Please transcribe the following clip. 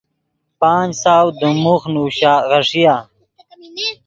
پانچ سو دیم موخ نوشا غیݰیا۔